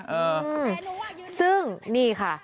อืมซึ่งนี่ค่ะ